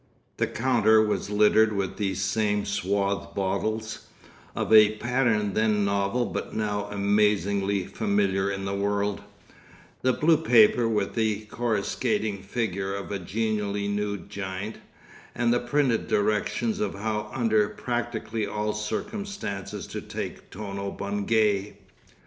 The counter was littered with these same swathed bottles, of a pattern then novel but now amazingly familiar in the world, the blue paper with the coruscating figure of a genially nude giant, and the printed directions of how under practically all circumstances to take Tono Bungay.